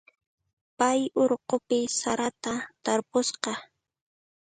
Pay urqupi sarata tarpusqa.